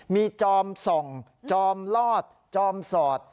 มีจอมส่องจอมลอดจอมสอด